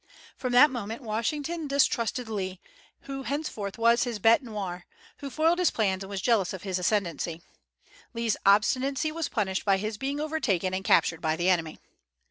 From that moment Washington distrusted Lee, who henceforth was his bête noir, who foiled his plans and was jealous of his ascendency. Lee's obstinacy was punished by his being overtaken and captured by the enemy.